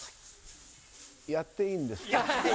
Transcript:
やっていいんですか？